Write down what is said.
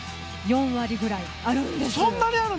４割ぐらいあるんです。